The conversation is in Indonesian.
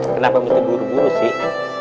kenapa mesti buru buru sih